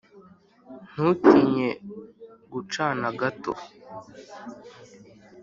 ntutinye gucana gato.